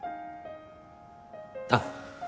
あっ！